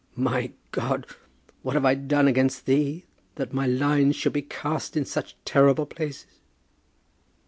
"My God, what have I done against thee, that my lines should be cast in such terrible places?"